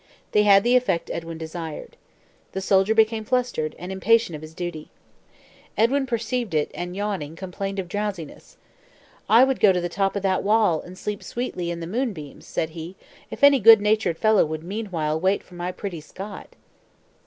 They had the effect Edwin desired. The soldier became flustered, and impatient of his duty. Edwin perceived it, and yawning, complained of drowsiness. "I would go to the top of that wall, and sleep sweetly in the moonbeams," said he, "if any goodnatured fellow would meanwhile wait for my pretty Scot!"